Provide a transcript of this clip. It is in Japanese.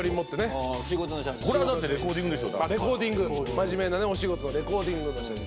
真面目なお仕事のレコーディングの写真。